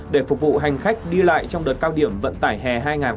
để phục vụ hành khách đi lại trong đợt cao điểm vận tải hè hai nghìn hai mươi bốn